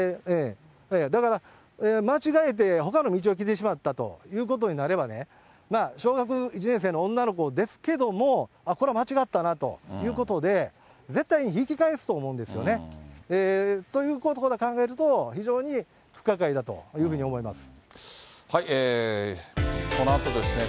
だから間違えてほかの道を来てしまったということになれば、小学１年生の女の子ですけれども、これは間違ったなということで、絶対に引き返すと思うんですよね。ということから考えると、非常に不可解だというふうに思います。